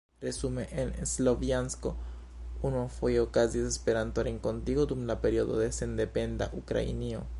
Resume, en Slovjansko unuafoje okazis Esperanto-renkontigo dum la periodo de sendependa Ukrainio.